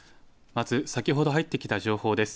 まず先ほど入ってきた情報です。